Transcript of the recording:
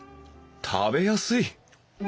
食べやすい！